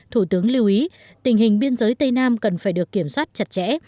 thủ tướng lưu ý tình hình biên giới tây nam cần phải được kiểm soát chặt chẽ